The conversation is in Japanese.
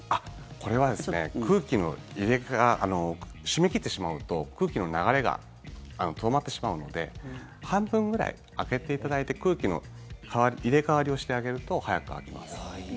これは閉め切ってしまうと空気の流れが止まってしまうので半分ぐらい開けていただいて空気の入れ替わりをしてあげると早く乾きます。